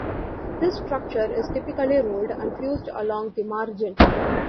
This structure is typically rolled and fused along the margin.